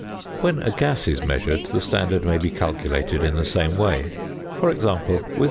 When a gas is measured, the standard may be calculated in the same way. For example: with 0.